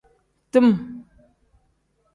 Tim.